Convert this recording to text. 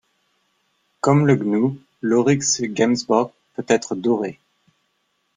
Comme le Gnou, l'oryx gemsbok peut être doré.